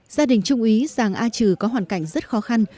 gia đình trung ý giàng a trừ có hoàn cảnh rất khó khăn